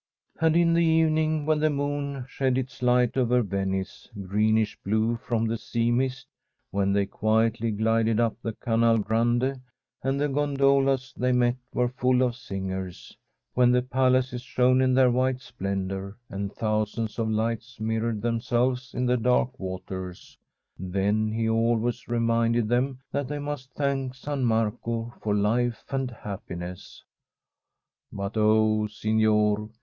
And in the evening, when the moon shed its light over Venice, greenish blue from the sea mist; when they quietly glided up the Canale Grande and the gondolas they met were full of singers; when the palaces shone in their white splendour, and thousands of lights mirrored themselves in the dark waters — then he always reminded them that they must thank San Marco for life and happiness. But oh, sig^or!